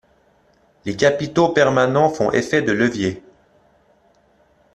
Les capitaux permanents font effets de levier.